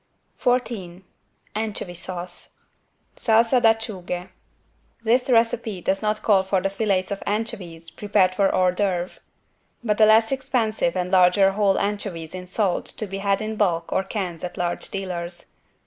14 ANCHOVY SAUCE (Salsa d'Acciughe) This recipe does not call for the filets of anchovies prepared for =hors d'oeuvre=, but the less expensive and larger whole anchovies in salt to be had in bulk or cans at large dealers.